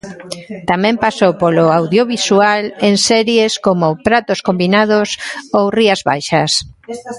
Tamén pasou polo audiovisual en series como Pratos combinados ou Rías Baixas.